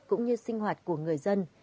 cũng như sinh hoạt của người dân